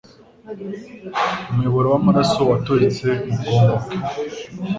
Umuyoboro wamaraso waturitse mubwonko bwe.